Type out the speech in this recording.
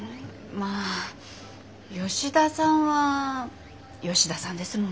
まあ吉田さんは吉田さんですもんね。